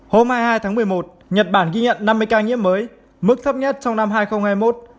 hôm hai mươi hai tháng một mươi một nhật bản ghi nhận năm mươi ca nhiễm mới mức thấp nhất trong năm hai nghìn hai mươi một